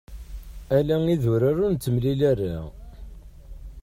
Ala idurar ur nettemlili ara.